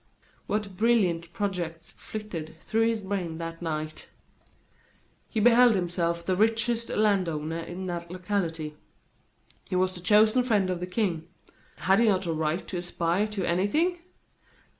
What brilliant projects flitted through his brain that night! He beheld himself the richest landowner in that locality; he was the chosen friend of the King; had he not a right to aspire to anything?